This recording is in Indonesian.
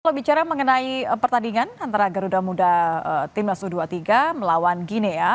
kalau bicara mengenai pertandingan antara garuda muda timnas u dua puluh tiga melawan gini ya